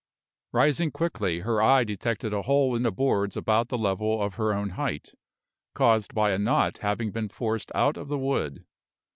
Rising quickly, her eye detected a hole in the boards about the level of her own height, caused by a knot having been forced out of the wood.